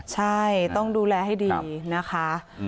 ใช่ต้องดูแลให้ดีนะคะ